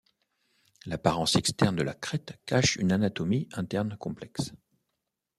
L'apparence externe de la crête cache une anatomie interne complexe.